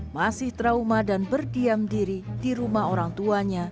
masih trauma dan berdiam diri di rumah orang tuanya